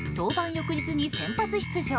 翌日に先発出場。